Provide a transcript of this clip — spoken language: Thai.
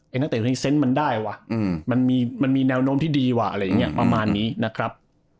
นักเตะในเซนต์มันได้ว่ะมันมีแนวโน้มที่ดีว่ะอะไรอย่างนี้ประมาณนี้นะครับ